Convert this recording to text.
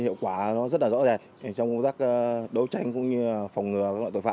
hiệu quả nó rất là rõ rệt trong công tác đấu tranh cũng như phòng ngừa loại tội phạm